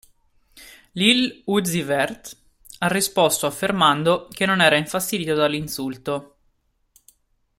Lil Uzi Vert ha risposto affermando che non era infastidito dall'insulto.